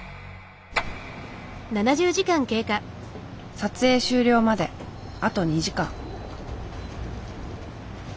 撮影終了まであと２時間。